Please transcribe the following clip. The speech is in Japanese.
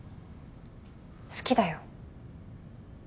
好きだよ。